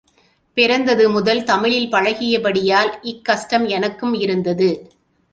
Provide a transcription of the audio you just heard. பிறந்தது முதல் தமிழில் பழகியபடி யால், இக் கஷ்டம் எனக்கும் இருந்தது.